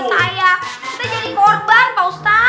kita jadi korban pak ustaz